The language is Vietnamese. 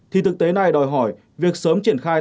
thì thực tế này đòi hỏi việc sớm triển khai